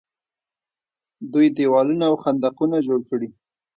دوی دیوالونه او خندقونه جوړ کړي.